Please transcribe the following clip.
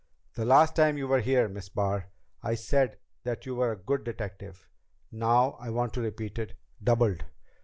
"The last time you were here, Miss Barr, I said that you were a good detective. Now I want to repeat it doubled.